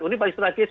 ini paling strategis